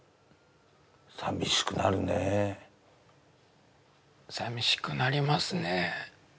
寂しくなるねえ寂しくなりますね